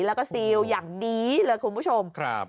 แล้วก็ซีลอย่างดีเลยคุณผู้ชมครับ